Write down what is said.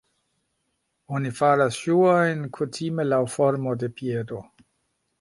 Oni faras ŝuojn kutime laŭ formo de piedo.